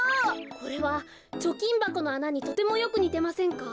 これはちょきんばこのあなにとてもよくにてませんか？